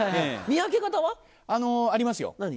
見分け方は？ありますよ。